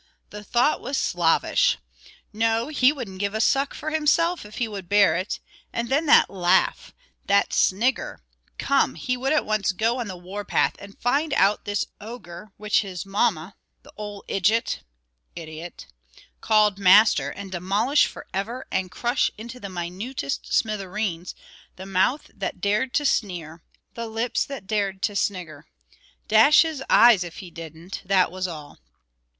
the thought was slavish. No, he wouldn't give a suck for himself if he would bear it; and then that laugh, that snigger come, he would at once go on the war path, find out this ogre which his mamma, the old idgit [idiot] called master; and demolish for ever, and crush into the minutest smithereens, the mouth that dared to sneer, the lips that dared to snigger. Dash his eyes if he didn't, that was all."